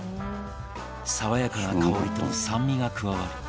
爽やかな香りと酸味が加わり